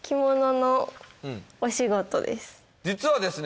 実はですね